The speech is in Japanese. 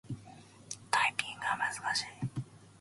タイピングは難しい。